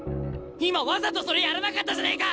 今わざとそれやらなかったじゃねえか！